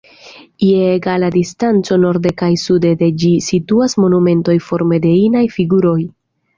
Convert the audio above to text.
Je egala distanco norde kaj sude de ĝi situas monumentoj forme de inaj figuroj.